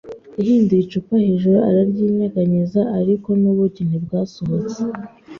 Yahinduye icupa hejuru araryinyeganyeza, ariko nubuki ntibwasohotse.